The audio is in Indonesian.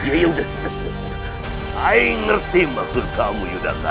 aku mengerti maksudmu yudhakara